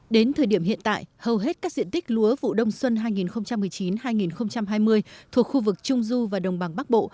đến thời điểm hiện tại hầu hết các diện tích lúa vụ đông xuân hai nghìn một mươi chín hai nghìn hai mươi thuộc khu vực trung du và đồng bằng bắc bộ